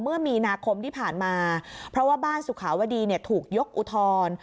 เมื่อมีนาคมที่ผ่านมาเพราะว่าบ้านสุขาวดีถูกยกอุทธรณ์